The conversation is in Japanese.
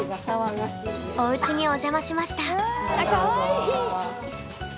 おうちにお邪魔しました。